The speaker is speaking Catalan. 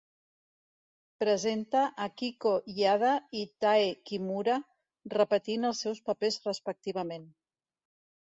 Presenta Akiko Yada i Tae Kimura repetint els seus papers respectivament.